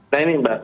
nah ini mbak